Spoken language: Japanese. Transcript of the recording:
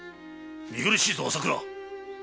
見苦しいぞ朝倉！